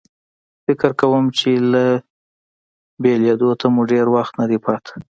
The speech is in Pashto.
فکر کوم چې له بېلېدو ته مو ډېر وخت نه دی پاتې.